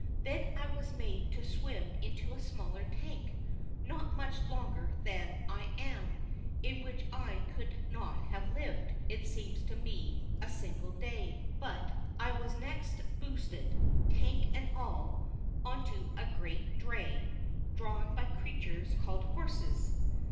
Then I was made to swim into a smaller tank, not much longer than I am, in which I could not have lived, it seemed to me, a single day. [Illustration: "I WAS GIVEN MY FIRST RIDE ON LAND"] But I was next boosted, tank and all, on to a great dray, drawn by creatures called "horses."